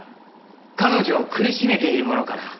彼女を苦しめているものから。